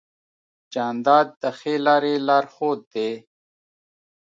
جانداد د ښې لارې لارښود دی.